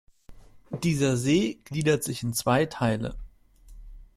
Dieser See gliedert sich in zwei Teile.